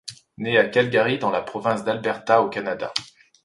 Née à Calgary dans la province d'Alberta au Canada.